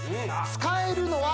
使えるのは。